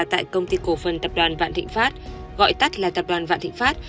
tại công ty cổ phần tập đoàn vạn thịnh pháp gọi tắt là tập đoàn vạn thịnh pháp